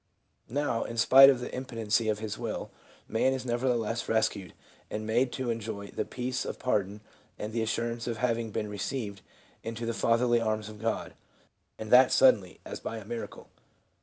Now, in spite of the impotency of his will, man is never theless rescued and made to enjoy the peace of pardon and the assurance of having been received into the Fatherly arms of God, and that suddenly, as by a miracle.